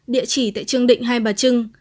địa chỉ tại trương định hai bà trưng